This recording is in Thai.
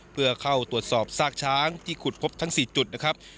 เพื่อเข้าตรวจสอบซากช้างที่ขุดพบทั้ง๔จุดนะครับ